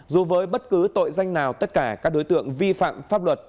dù với bất cứ tội danh nào tất cả các đối tượng vi phạm pháp luật